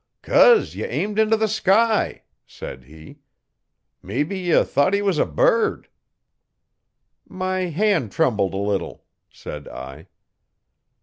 'Cos ye aimed into the sky,' said he. 'Mebbe ye thought he was a bird.' 'My hand trembled a little,' said I.